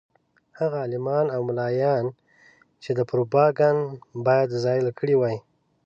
هغه عالمان او ملایان چې دا پروپاګند باید زایل کړی وای.